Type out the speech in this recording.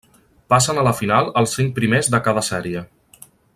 Passen a la final els cinc primers de cada sèrie.